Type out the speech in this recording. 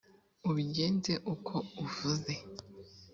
ubigenze uko uvuze .